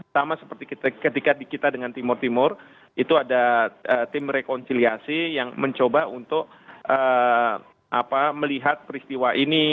sama seperti ketika di kita dengan timur timur itu ada tim rekonsiliasi yang mencoba untuk melihat peristiwa ini